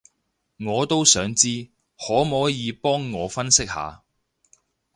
我都想知，可摸耳幫我分析下